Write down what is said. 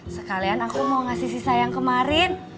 sekalian aku mau ngasih si sayang kemarin